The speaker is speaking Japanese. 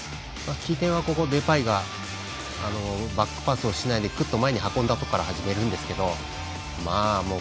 起点はデパイがバックパスをしないでくっと前に運んだところから始めるんですけど